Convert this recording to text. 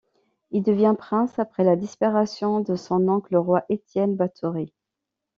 Il devient prince après la disparition de son oncle, le roi Étienne Báthory.